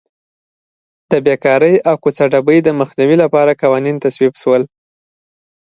د بېکارۍ او کوڅه ډبۍ د مخنیوي لپاره قوانین تصویب شول.